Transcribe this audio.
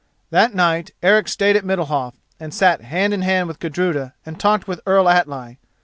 That night Eric stayed at Middalhof, and sat hand in hand with Gudruda and talked with Earl Atli.